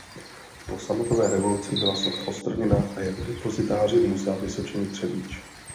Po sametové revoluci byla socha odstraněna a je v depozitáři Muzea Vysočiny Třebíč.